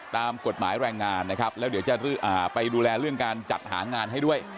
ตามกฎหมายแรงงานนะครับแล้วเดี๋ยวจะไปดูแลเรื่องการจัดหางานให้ด้วย